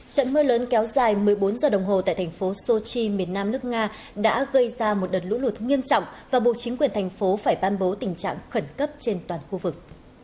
trận mưa lớn kéo dài một mươi bốn giờ đồng hồ tại thành phố sochi miền nam nước nga đã gây ra một đợt lũ lụt nghiêm trọng và buộc chính quyền thành phố phải ban bố tình trạng khẩn cấp trên toàn khu vực